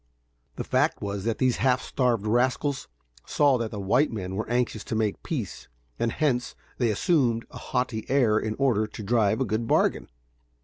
The fact was that these half starved rascals saw that the white men were anxious to make peace, and hence they assumed a haughty air in order to drive a good bargain.